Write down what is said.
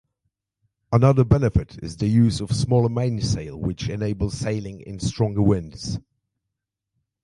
Another benefit is the use of smaller mainsail which enables sailing in stronger winds.